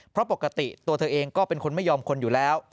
เพราะปกติตัวเธอเองก็เป็นคนไม่ยอมคนอยู่แล้ว